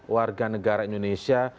warga negara indonesia